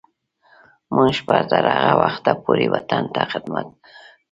موږ به تر هغه وخته پورې وطن ته خدمت کوو.